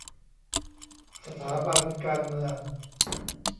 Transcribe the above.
สถาบันการเมือง